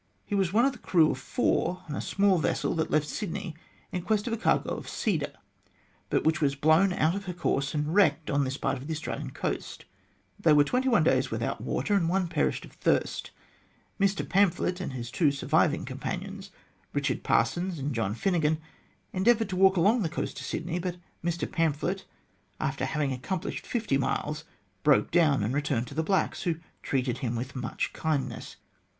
He was one of a crew of four on a small vessel that left Sydney in quest of a cargo of cedar, but which was blown out of her course and wrecked on this part of the Australian coast. They were twenty one days without water, and one perished of thirst. Pamphlet and his two surviving companions, Kichard Parsons and John Pinnegan, endeavoured to walk along the coast to Sydney, but Pamphlet, after having accomplished fifty miles, broke down and returned to the blacks, who treated him with much kindness.